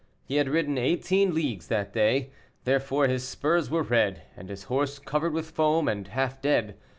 He had ridden eighteen leagues that day; therefore his spurs were red, and his horse covered with foam, and half dead.